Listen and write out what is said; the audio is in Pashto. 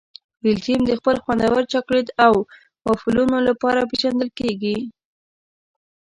بلجیم د خپل خوندور چاکلېټ او وفلونو لپاره پېژندل کیږي.